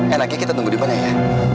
enaknya kita tunggu di mana ya